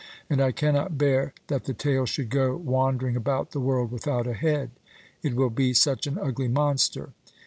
And I cannot bear that the tale should go wandering about the world without a head, it will be such an ugly monster.